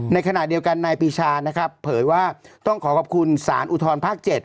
ในขณะเดียวกันนายปีชานะครับเผยว่าต้องขอขอบคุณสารอุทธรภาค๗